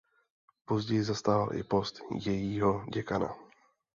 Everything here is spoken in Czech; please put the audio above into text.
Později zastával i post jejího děkana.